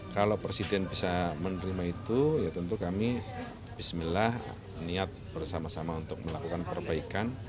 kalau presiden bisa menerima itu ya tentu kami bismillah niat bersama sama untuk melakukan perbaikan